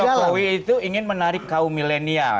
menurut saya jokowi itu ingin menarik kaum milenial